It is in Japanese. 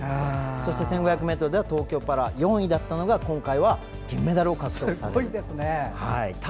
そして１５００ｍでは東京パラ、４位だったのが今回は銀メダルを獲得されました。